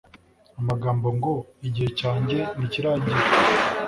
Amagambo ngo, “Igihe cyanjye ntikiragera,”